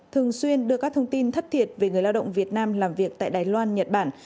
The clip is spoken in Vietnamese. thường xuyên đưa các thông tin thất thiệt về người lao động việt nam làm việc tại đài loan nhật bản